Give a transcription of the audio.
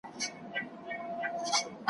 زه به په هغه ورځ ,